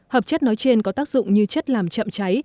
hợp chất nói trên có tác dụng như chất làm chậm cháy